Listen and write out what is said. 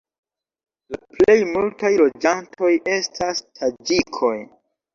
La plejmultaj loĝantoj estas taĝikoj.